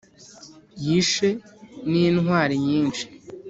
yishe n'intwari nyinshi!